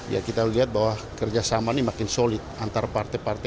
ya kita lihat bahwa kerjasama ini makin solid antara partai partai